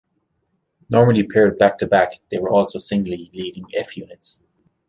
Normally paired back-to-back, they were also used singly leading F-units.